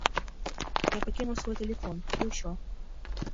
Я пакінуў свой тэлефон, і ўсё.